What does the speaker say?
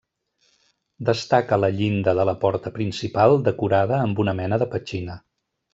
Destaca la llinda de la porta principal decorada amb una mena de petxina.